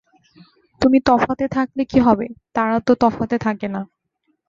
তুমি তফাতে থাকলে কী হবে, তাঁরা তো তফাতে থাকেন না।